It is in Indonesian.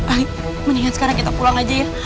ayo mendingan sekarang kita pulang aja ya